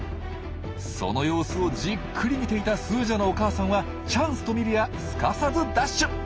その様子をじっくり見ていたスージャのお母さんはチャンスと見るやすかさずダッシュ！